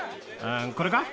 これか？